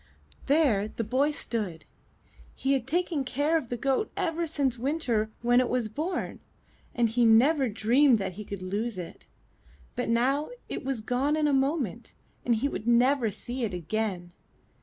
*' There the boy stood. He had taken care of the goat ever since winter when it was born, and he had never dreamed that he could lose it; but now it was gone in a moment and he would never see it again.